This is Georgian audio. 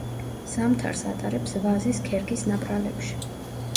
ზამთარს ატარებს ვაზის ქერქის ნაპრალებში.